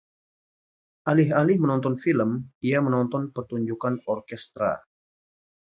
alih-alih menonton film, ia menonton pertunjukan orkestra